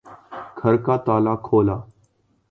گھر کا تالا کھولا